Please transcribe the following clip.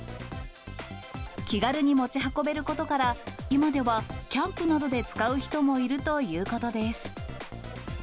気軽に持ち運べることから、今ではキャンプなどで使う人もいるということです。